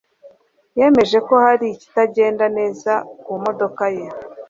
Yemeje ko hari ikitagenda neza ku modoka ye.